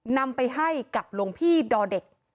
นำไปให้กับหลวงพี่ดอเด็ก